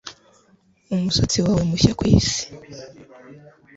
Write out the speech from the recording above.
umusatsi wawe mushya ku isi